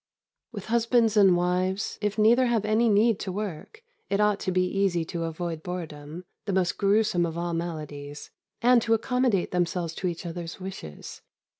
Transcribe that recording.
With husbands and wives, if neither have any need to work, it ought to be easy to avoid boredom (the most gruesome of all maladies), and to accommodate themselves to each other's wishes.